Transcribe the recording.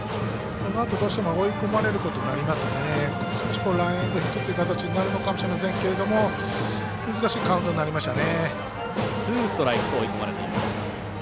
このあと、打者も追い込まれることになりますので少しランエンドヒットという形になるかもしれませんけど難しいカウントになりましたね。